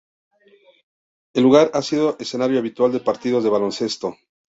El lugar ha sido escenario habitual de partidos de baloncesto.